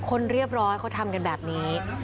คนเรียบร้อยเขาทำกันแบบนี้